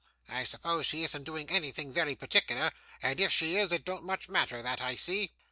I suppose she isn't doing anything very particular; and if she is, it don't much matter, that I see.